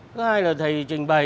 cứ hai là thầy trình bày